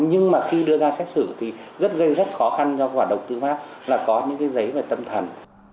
nhưng mà khi đưa ra xét xử thì rất gây rất khó khăn cho quả động tư pháp là có những cái giấy về tâm thần